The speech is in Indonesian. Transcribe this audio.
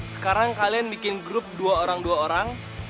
sekarang kalian bikin grup dua orang dua orang